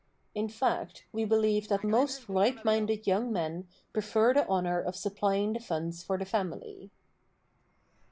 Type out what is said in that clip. In fact, we believe that most right minded young men prefer the honor of supplying the funds for the family.